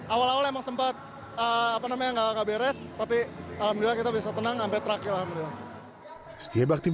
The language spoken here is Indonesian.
awal awal memang sempat gak beres tapi alhamdulillah kita bisa tenang sampai terakhir